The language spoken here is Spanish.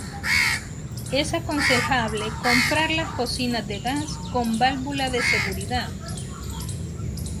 Es aconsejable comprar las cocinas de gas con válvula de seguridad.